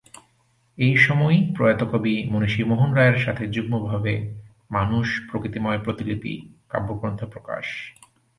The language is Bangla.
এই সময়ই প্রয়াত কবি মনীষী মোহন রায়ের সাথে যুগ্মভাবে "মানুষ প্রকৃতিময় প্রতিলিপি" কাব্যগ্রন্থ প্রকাশ।